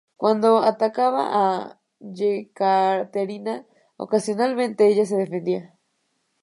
Cuando atacaba a Yekaterina, ocasionalmente ella se defendía.